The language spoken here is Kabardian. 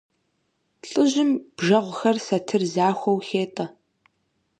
ЛӀыжьым бжэгъухэр сатыр захуэу хетӀэ.